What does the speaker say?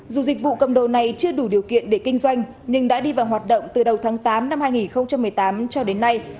dù dịch vụ cầm đồ này chưa đủ điều kiện để kinh doanh nhưng đã đi vào hoạt động từ đầu tháng tám năm hai nghìn một mươi tám cho đến nay